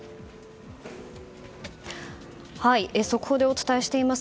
速報でお伝えしています。